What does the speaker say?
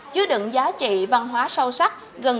chứa đựng giá trị văn hóa sâu sắc